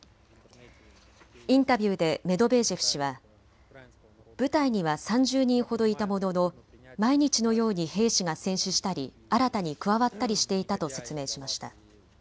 インタビューでメドベージェフ氏は部隊には３０人ほどいたものの毎日のように兵士が戦死したり新たに加わったりしていたと説明しました。